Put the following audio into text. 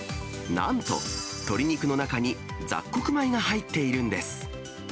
なんと、鶏肉の中に雑穀米が入っているんです。